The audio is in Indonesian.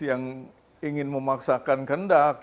yang ingin memaksakan kendak